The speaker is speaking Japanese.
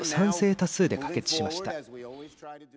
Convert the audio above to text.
多数で可決しました。